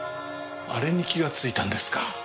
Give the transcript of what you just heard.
あれに気がついたんですか。